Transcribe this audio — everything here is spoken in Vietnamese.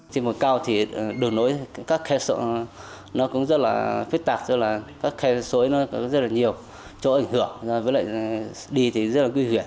thì một cao thì đường nối các khe sổ nó cũng rất là phức tạp các khe sổ nó có rất là nhiều chỗ ảnh hưởng với lại đi thì rất là quy huyện